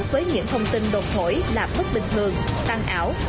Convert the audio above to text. với những thông tin đột phổi là mức bình thường tăng ảo